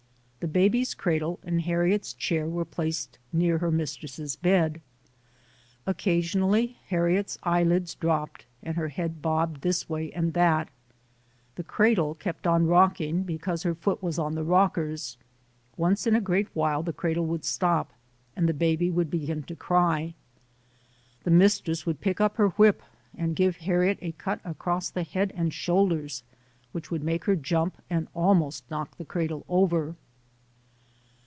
The baby's cradle and Harriet's chair were placed near her mistress's bed. Occasionally Harriet's eyelids dropped and her head bobbed this way and that way. The cradle kept on rock ing because her foot was on the rockers. Once in a great while, the cradle would stop and the baby would begin to cry. The mistress would pick up her whip and give Harriet a cut across the head and shoulders which would make her jump and almost knock the cradle over.